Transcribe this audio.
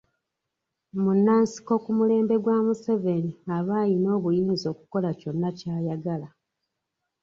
Munnansiko ku mulembe gwa Museveni aba ayina obuyinza okukola kyonna ky'ayagala.